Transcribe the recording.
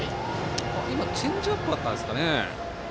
今、チェンジアップだったんですかね。